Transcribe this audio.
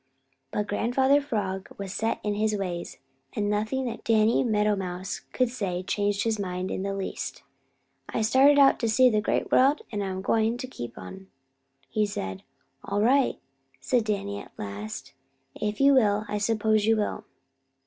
But Grandfather Frog was set in his ways, and nothing that Danny Meadow Mouse could say changed his mind in the least. "I started out to see the Great World, and I'm going to keep right on," said he. "All right," said Danny at last. "If you will, I suppose you will.